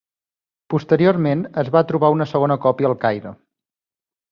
Posteriorment es va trobar una segona còpia al Caire.